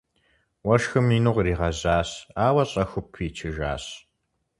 Уэшхым ину къригъэжьащ, ауэ щӏэхыу пичыжащ.